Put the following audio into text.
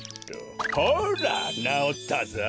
ほらなおったぞ！